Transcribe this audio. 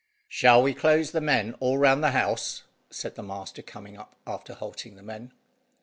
"Shall we close the men all round the house?" said the master, coming up after halting the men.